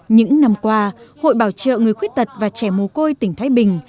những năm qua hội bảo trợ người khuyết tật và trẻ môi quê tỉnh thái bình